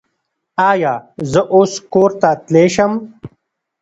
ایا زه اوس کور ته تلی شم؟